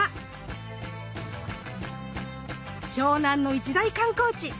湘南の一大観光地！